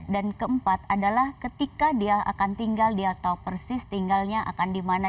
dan keempat adalah ketika dia akan tinggal dia tahu persis tinggalnya akan dimana